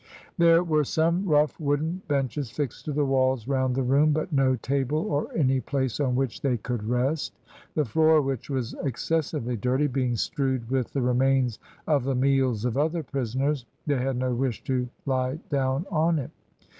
There were some rough wooden benches fixed to the walls round the room, but no table or any place on which they could rest. The floor, which was excessively dirty, being strewed with the remains of the meals of other prisoners, they had no wish to lie down on it.